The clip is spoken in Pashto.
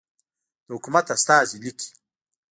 د حکومت استازی لیکي.